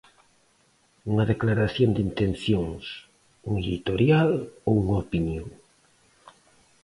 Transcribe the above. Unha declaración de intencións, un editorial ou unha opinión?